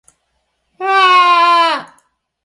Stephen, Holly and Michael were mostly the main choices.